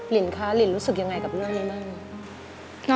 ลินคะลินรู้สึกยังไงกับเรื่องนี้บ้าง